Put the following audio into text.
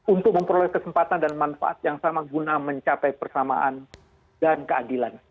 untuk memperoleh kesempatan dan manfaat yang sama guna mencapai persamaan dan keadilan